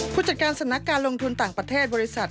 ผู้จัดการสำนักการลงทุนต่างประเทศบริษัท